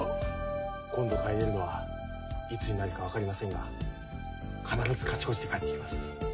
今度帰れるのはいつになるか分かりませんが必ず勝ち越して帰ってきます。